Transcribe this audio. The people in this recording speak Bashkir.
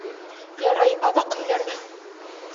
Ярай, аҙаҡ һөйләрмен.